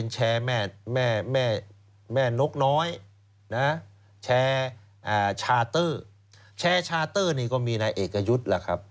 แชร์ชาร์ตเตอร์แชร์ชาร์ตเตอร์นี่ก็มีในเอกยุทธ์